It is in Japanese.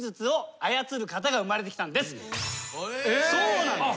そうなんです。